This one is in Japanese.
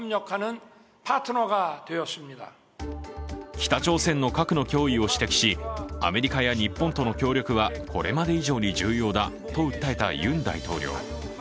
北朝鮮の核の脅威を指摘しアメリカや日本との協力はこれまで以上に重要だと訴えたユン大統領。